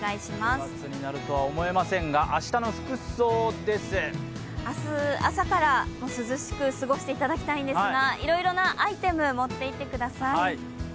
９月になるとは思えませんが、明日の服装です明日、朝から涼しく過ごしていただきたいんですが、いろいろアイテムを持っていってください。